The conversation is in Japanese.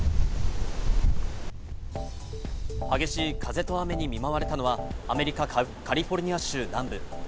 激しい風と雨に見舞われたのはアメリカ・カリフォルニア州南部。